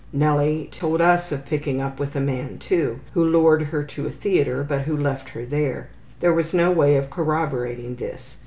Nellie told us of picking up with a man, too, who lured her to a theatre, but who left her there. There was no way of corroborating this.